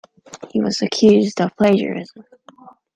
He was accused of plagiarism.